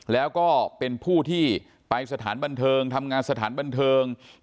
แล้วก็เป็นผู้ที่ไปสถานบันเทิงทำงานสถานบันเทิง